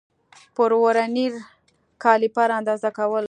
پر ورنیر کالیپر اندازه کول